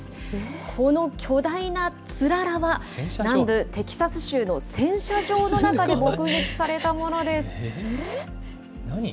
この巨大なつららは、南部テキサス州の洗車場の中で目撃されたも何？